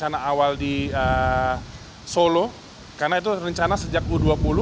ini harus di minggu